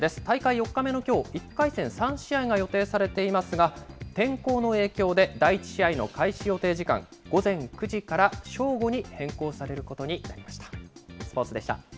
大会４日目のきょう、１回戦３試合が予定されていますが、天候の影響で、第１試合の開始予定時間、午前９時から正午に変更されることになりました。